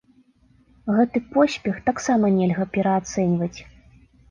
Гэты поспех таксама нельга пераацэньваць.